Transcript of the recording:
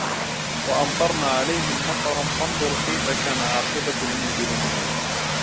وَأَمْطَرْنَا عَلَيْهِمْ مَطَرًا فَانْظُرْ كَيْفَ كَانَ عَاقِبَةُ الْمُجْرِمِينَ